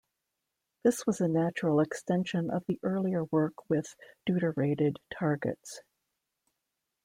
This was a natural extension of the earlier work with deuterated targets.